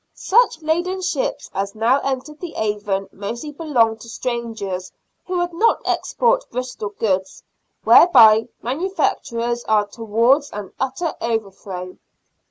Such laden ships as now entered the Avon mostly belonged to strangers, who would not export Bristol goods, " whereby manufacturers are towards an utter overthrow."